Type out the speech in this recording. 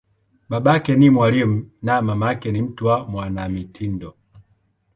Babake ni mwalimu, na mamake ni mtu wa mwanamitindo.